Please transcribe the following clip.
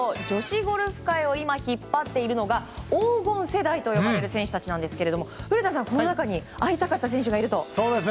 女子ゴルフ界を今引っ張っているのが黄金世代と呼ばれる選手たちなんですが古田さん、この中に会いたかった選手がいると。